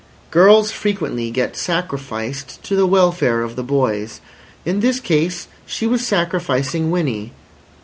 Girls frequently get sacrificed to the welfare of the boys. In this case she was sacrificing Winnie.